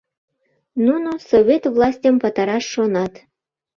Нуно совет властьым пытараш шонат.